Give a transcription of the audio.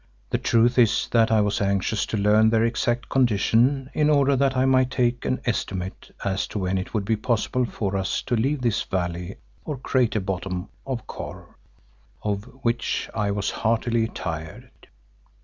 The truth is that I was anxious to learn their exact condition in order that I might make an estimate as to when it would be possible for us to leave this valley or crater bottom of Kôr, of which I was heartily tired.